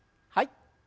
はい。